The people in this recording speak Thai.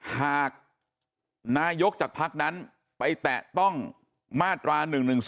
หากนายกจากพักนั้นไปแตะต้องมาตรา๑๑๒